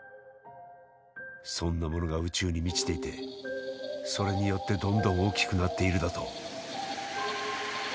そんなものが宇宙に満ちていてそれによってどんどん大きくなっているだと？